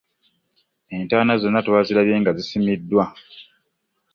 Entaana zonna twazirabye nga zisimiddwa.